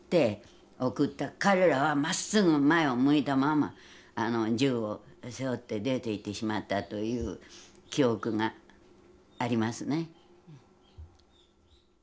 彼らはまっすぐ前を向いたまま銃を背負って出ていってしまったという記憶がありますね。